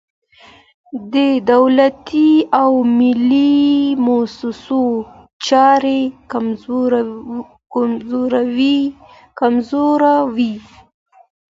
د دولتي او ملي موسسو چارې کمزورې وي.